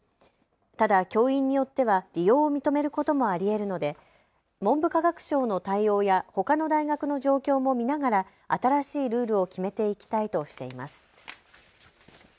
ただ、教員によっては利用を認めることもありえるので文部科学省の対応やほかの大学の状況も見ながら新しいルールを決めていきたいとしています。